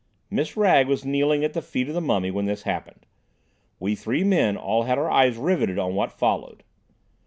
Miss Wragge was kneeling at the feet of the mummy when this happened. We three men all had our eyes riveted on what followed.